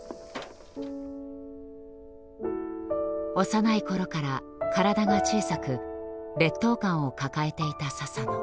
幼い頃から体が小さく劣等感を抱えていた佐々野。